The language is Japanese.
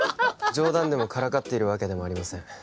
冗談でもからかっているわけでもありません